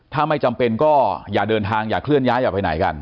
ถ้าไม่จำเป็นก็อย่าเดินทางอย่าเคลื่อนย้ายอย่าไปไหนกัน